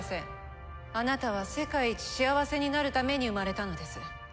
あなたは世界一幸せになるために生まれたのです。